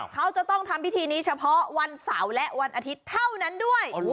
เขาจะต้องทำพิธีนี้เฉพาะวันเสาร์และวันอาทิตย์เท่านั้นด้วย